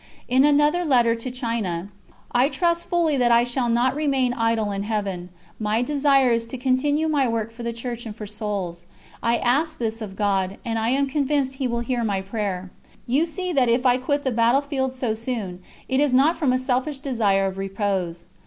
And in another letter to China: "I trust fully that I shall not remain idle in Heaven; my desire is to continue my work for the Church and for souls. I ask this of God, and I am convinced He will hear my prayer. You see that if I quit the battle field so soon, it is not from a selfish desire of repose.